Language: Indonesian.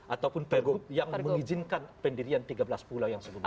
ataupun pergub yang mengizinkan pendirian tiga belas pulau yang sebelumnya